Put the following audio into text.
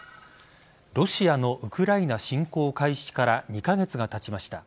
ロシアのウクライナ侵攻開始から２カ月がたちました。